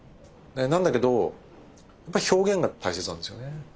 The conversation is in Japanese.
なんだけどやっぱ表現が大切なんですよね。